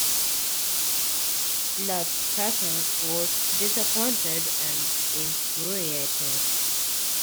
Las Casas was disappointed and infuriated.